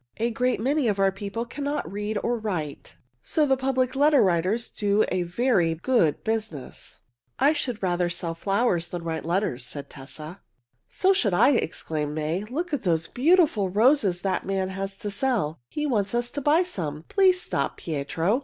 A great many of our people cannot read or write, so the public letter writers do a very good business." [Illustration: "Oh! oh! oh! May we have them?" they cried all together] "I should rather sell flowers than write letters," said Tessa. "So should I!" exclaimed May. "Look at the beautiful roses that man has to sell. He wants us to buy some. Please stop, Pietro!"